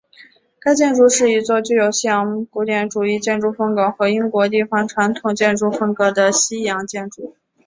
该建筑是一座具有西洋古典主义建筑风格和英国地方传统建筑风格的西洋建筑。